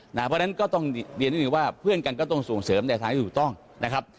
เพราะฉะนั้นก็ต้องเรียนนิดนึงว่าเพื่อนกันก็ต้องส่งเสริมในทางที่ถูกต้องนะครับ